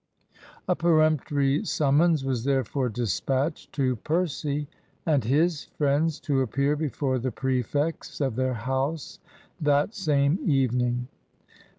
A peremptory summons was therefore dispatched to Percy and his friends to appear before the prefects of their house that same evening.